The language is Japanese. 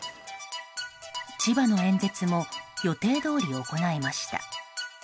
千葉の演説も予定どおり行いました。